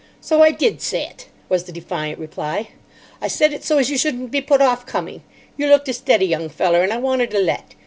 "So I did say it," was the defiant reply. "I said it so as you shouldn't be put off coming. You looked a steady young feller, and I wanted a let.